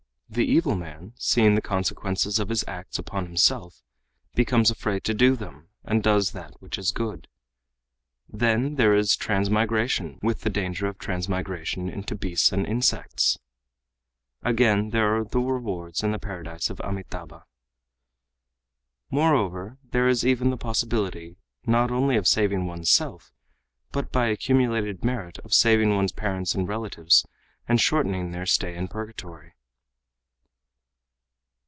The evil man, seeing the consequences of his acts upon himself, becomes afraid to do them and does that which is good. Then there is transmigration with the danger of transmigration into beasts and insects. Again, there are the rewards in the paradise of Amitâbha. Moreover, there is even the possibility not only of saving one's self, but by accumulated merit of saving one's parents and relatives and shortening their stay in purgatory."